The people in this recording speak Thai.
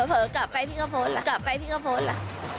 เผลอกลับไปพี่ก็โพสต์ล่ะ